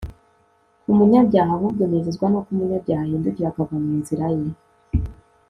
ku munyabyaha ahubwo nezezwa nuko umunyabyaha ahindukira akava mu nziraye